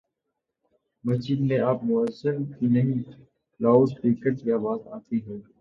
مسجد سے اب موذن کی نہیں، لاؤڈ سپیکر کی آواز آتی ہے۔